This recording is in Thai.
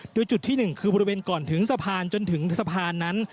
โดยจุดที่๑คือบริเวณก่อนถึงสะพานจนถึงสะพานนั้น